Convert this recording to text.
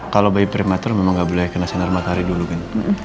kalau bayi prematur memang nggak boleh kena sinar matahari dulu kan